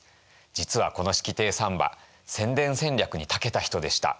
実はこの式亭三馬宣伝戦略にたけた人でした。